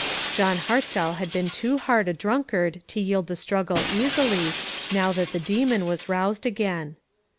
John Hartzell had been too hard a drunkard to yield the struggle easily, now that the demon was roused again.